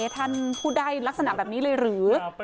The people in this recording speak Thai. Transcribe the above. ท่านพูดได้ลักษณะแบบนี้เลยหรือ